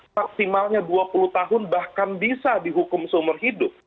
maksimalnya dua puluh tahun bahkan bisa dihukum seumur hidup